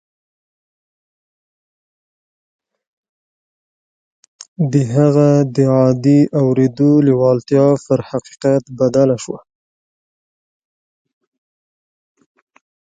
د هغه د عادي اورېدو لېوالتیا پر حقیقت بدله شوه